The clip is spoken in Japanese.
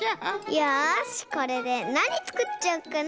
よしこれでなにつくっちゃおっかな。